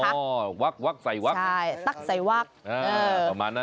อ๋อหวักหวักใส่หวักใช่ตักใส่หวักอ่าประมาณนั้น